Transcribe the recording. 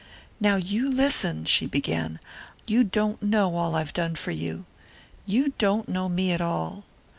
"Now you listen," she began. "You don't know all I've done for you. You don't know me at all.